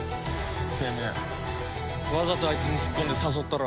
てめえわざとあいつに突っ込んで誘ったろ？